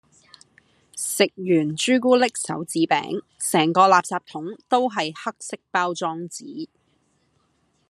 食完朱古力手指餅，成個垃圾桶都係黑色包裝紙